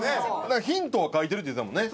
ヒントが書いてるって言うてたもんね。